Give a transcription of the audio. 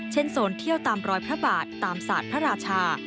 โซนเที่ยวตามรอยพระบาทตามศาสตร์พระราชา